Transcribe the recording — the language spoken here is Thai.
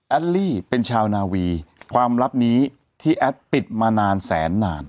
ลี่เป็นชาวนาวีความลับนี้ที่แอดปิดมานานแสนนาน